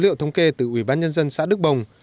liệu thống kê từ ủy ban nhân dân xã đức bồng